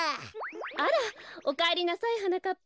あらおかえりなさいはなかっぱ。